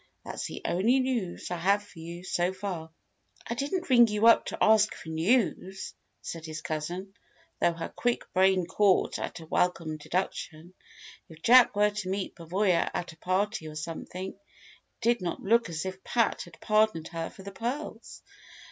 That's the only news I have for you, so far." "I didn't ring you up to ask for news," said his cousin, though her quick brain caught at a welcome deduction: if Jack were to meet Pavoya at a party or something, it did not look as if Pat had pardoned her for the pearls.